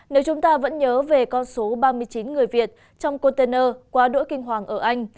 nếu chúng ta vẫn nhớ về con số ba mươi chín người việt trong container quá đỗ kinh hoàng ở anh